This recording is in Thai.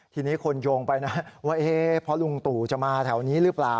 ทีนี้คนโยงไปนะว่าเพราะลุงตู่จะมาแถวนี้หรือเปล่า